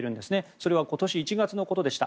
それは今年１月のことでした。